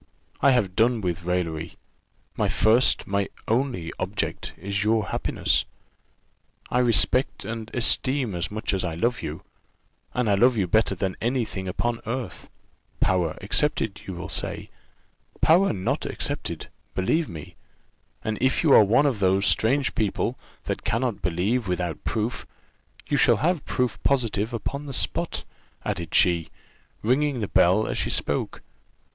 I have done with raillery: my first, my only object, is your happiness. I respect and esteem as much as I love you, and I love you better than any thing upon earth power excepted, you will say power not excepted, believe me; and if you are one of those strange people that cannot believe without proof, you shall have proof positive upon the spot," added she, ringing the bell as she spoke.